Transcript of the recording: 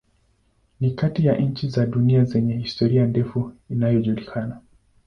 Ni kati ya nchi za dunia zenye historia ndefu inayojulikana.